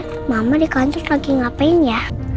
tapi mama di kantor lagi ngapain ya